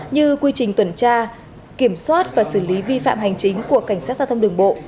như quy trình tuần tra kiểm soát và xử lý vi phạm hành chính của cảnh sát giao thông đường bộ